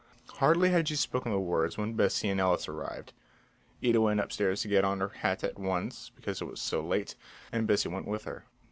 Hardly had she spoken the words when Bessie and Ellis arrived. Ida went upstairs to get on her hat at once, because it was so late, and Bessie went with her.